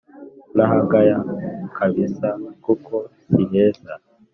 nahagaya kabisa kuko siheza